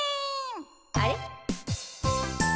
あれ？